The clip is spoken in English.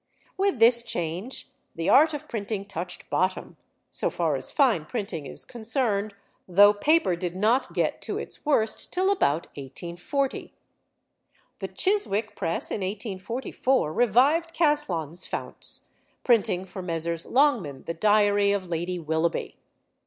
With this change the art of printing touched bottom, so far as fine printing is concerned, though paper did not get to its worst till about 1840. The Chiswick press in 1844 revived Caslon's founts, printing for Messrs. Longman the Diary of Lady Willoughby.